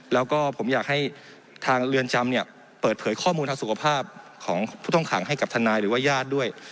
แล้วก็ผมอยากให้ทางเรือนจำเนี่ยเปิดเผยข้อมูลทางสุขภาพของผู้ต้องขังให้กับทนายหรือว่าญาติด้วย